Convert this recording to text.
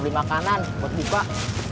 beli makanan buat dipak